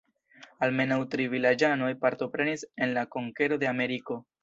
Almenaŭ tri vilaĝanoj partoprenis en la konkero de Ameriko.